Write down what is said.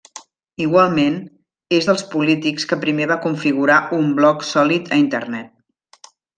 Igualment, és dels polítics que primer va configurar un blog sòlid a internet.